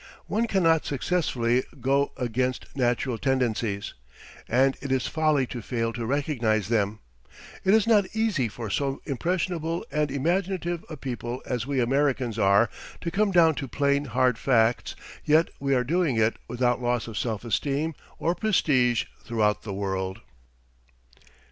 One cannot successfully go against natural tendencies, and it is folly to fail to recognize them. It is not easy for so impressionable and imaginative a people as we Americans are to come down to plain, hard facts, yet we are doing it without loss of self esteem or prestige throughout the world.